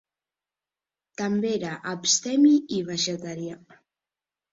També era abstemi i vegetarià.